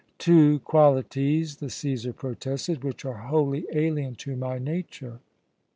"Two qualities," the Cæsar protested, "which are wholly alien to my nature."